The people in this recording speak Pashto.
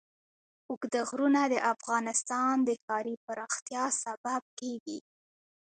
اوږده غرونه د افغانستان د ښاري پراختیا سبب کېږي.